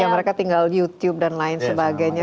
ya mereka tinggal youtube dan lain sebagainya